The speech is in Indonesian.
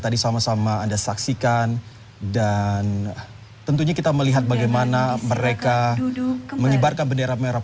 dan memiliki kekuatan untuk memperbaiki pembinaan bendera ini